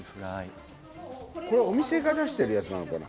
お店が出してるやつなのかな？